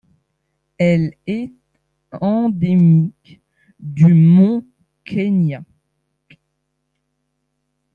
Elle est endémique du Mont Kenya.